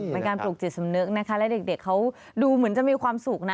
เป็นการปลูกจิตสำนึกนะคะและเด็กเขาดูเหมือนจะมีความสุขนะ